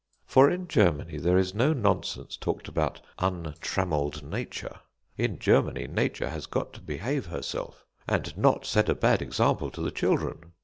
For in Germany there is no nonsense talked about untrammelled nature. In Germany nature has got to behave herself, and not set a bad example to the children.